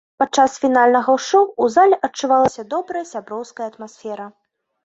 Падчас фінальнага шоу ў зале адчувалася добрая сяброўская атмасфера.